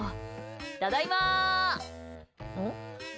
ただいまん？